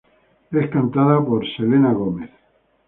Es cantada por Selena Gomez.